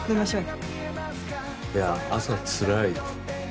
いや朝つらい。